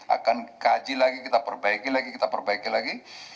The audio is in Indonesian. akan kaji lagi kita perbaiki lagi kita perbaiki lagi